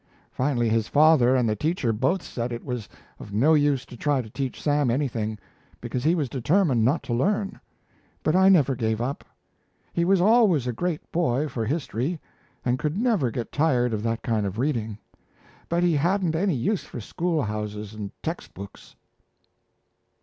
Finally, his father and the teacher both said it was of no use to try to teach Sam anything, because he was determined not to learn. But I never gave up. He was always a great boy for history, and could never get tired of that kind of reading; but he hadn't any use for schoolhouses and text books."